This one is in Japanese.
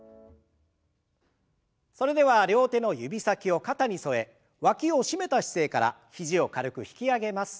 それでは両手の指先を肩に添えわきを締めた姿勢から肘を軽く引き上げます。